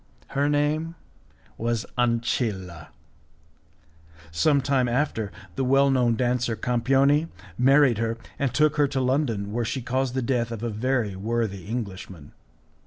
Her name was Ancilla; sometime after, the well known dancer, Campioni, married her and took her to London, where she caused the death of a very worthy Englishman.